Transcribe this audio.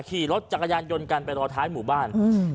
ขี่รถจักรยานยนต์กันไปรอท้ายหมู่บ้าน